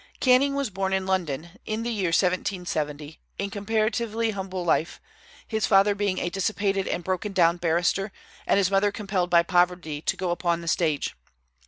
Canning was born in London, in the year 1770, in comparatively humble life, his father being a dissipated and broken down barrister, and his mother compelled by poverty to go upon the stage.